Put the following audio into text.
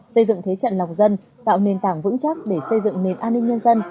xây dựng thế trận lòng dân tạo nền tảng vững chắc để xây dựng nền an ninh nhân dân